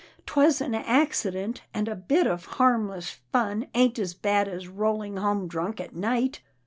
" 'Twas an accident, and a bit of harmless fun ain't as bad as rolling home drunk at night."